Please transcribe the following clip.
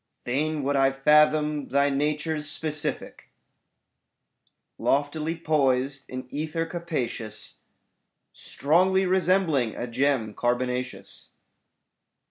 Fain would I fathom thy nature's specific Loftily poised in ether capacious. Strongly resembling a gem carbonaceous.